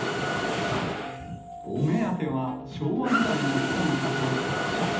お目当ては、昭和時代の機関車と客車。